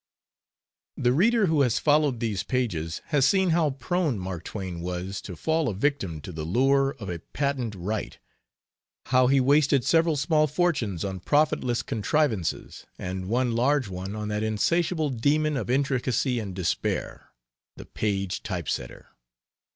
MARK. The reader who has followed these pages has seen how prone Mark Twain was to fall a victim to the lure of a patent right how he wasted several small fortunes on profitless contrivances, and one large one on that insatiable demon of intricacy and despair, the Paige type setter.